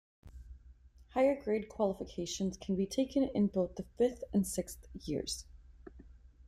Higher Grade qualifications can be taken in both the fifth and sixth years.